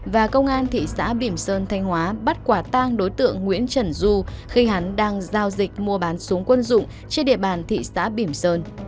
và công an thị xã bìm sơn thanh hóa bắt quả tang đối tượng nguyễn trần du khi hắn đang giao dịch mua bán súng quân dụng trên địa bàn thị xã bìm sơn